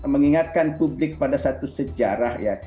mengingatkan publik pada satu sejarah ya